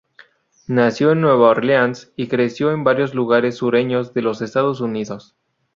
Nació en Nueva Orleans y creció en varios lugares sureños de los Estados Unidos.